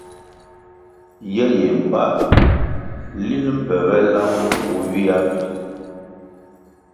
Ye yi mbpa linʼ mpebe lang kugu ywia mbpi.